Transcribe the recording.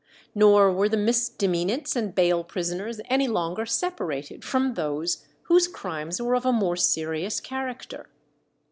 Nor were the misdemeanants and bail prisoners any longer separated from those whose crimes were of a more serious character.